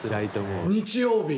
日曜日。